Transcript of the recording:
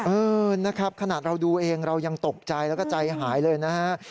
เออนะครับขนาดเราดูเองเรายังตกใจแล้วก็ใจหายเลยนะฮะ